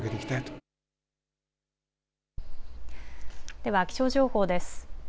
では気象情報です。